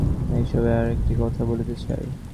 আমি এই সভায় আর একটি কথা বলিতে চাই।